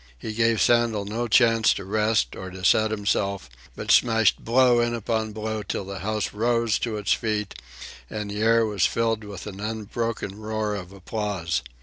He gave Sandel no chance to rest or to set himself, but smashed blow in upon blow till the house rose to its feet and the air was filled with an unbroken roar of applause.